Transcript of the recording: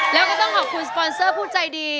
แล้วก็ต้องขอบคุณสปอนเซอร์ผู้ใจดี